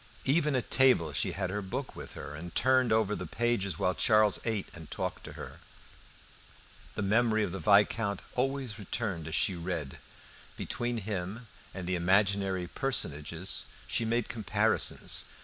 Even at table she had her book by her, and turned over the pages while Charles ate and talked to her. The memory of the Viscount always returned as she read. Between him and the imaginary personages she made comparisons.